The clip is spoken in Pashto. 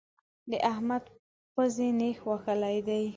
د احمد پزې نېښ ولی دی.